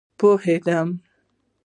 پوهیدم